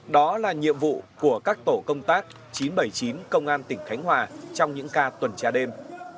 đó là nhiệm vụ của các tổ công tác chín trăm bảy mươi chín công an tỉnh khánh hòa trong những ca tuần tra đêm